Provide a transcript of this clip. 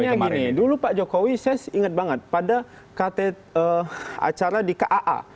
ya kalau seandainya gini dulu pak jokowi saya ingat banget pada kata acara di kaa